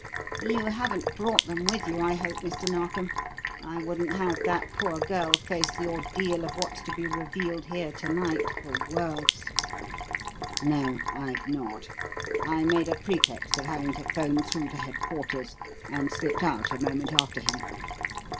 "You haven't brought them with you, I hope, Mr. Narkom? I wouldn't have that poor girl face the ordeal of what's to be revealed here to night for worlds." "No, I've not. I made a pretext of having to 'phone through to headquarters, and slipped out a moment after him.